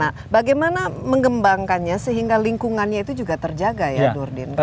nah bagaimana mengembangkannya sehingga lingkungannya itu juga terjaga ya dordin